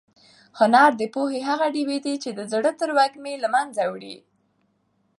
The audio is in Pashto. هنر د پوهې هغه ډېوه ده چې د زړه تروږمۍ له منځه وړي.